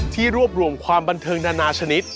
รวบรวมความบันเทิงนานาชนิด